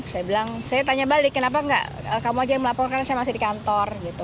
saya bilang saya tanya balik kenapa kamu saja yang melaporkan saya masih di kantor